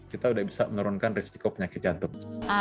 kita sudah bisa menurunkan risiko penyakit jantung